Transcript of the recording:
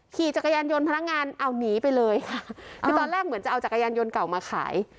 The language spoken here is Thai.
ขี่จักรยานยนต์พนักงานเอาหนีไปเลยค่ะคือตอนแรกเหมือนจะเอาจักรยานยนต์เก่ามาขาย